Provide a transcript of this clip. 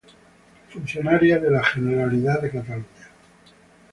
Funcionaria de la Generalidad de Cataluña.